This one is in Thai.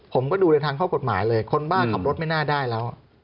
ผมก็ดูในทางข้อกฎหมายเลยคนบ้าขับรถไม่น่าได้แล้ว